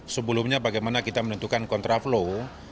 sebelumnya bagaimana kita menentukan kontraflow